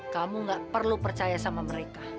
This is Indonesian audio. kamu gak perlu percaya sama mereka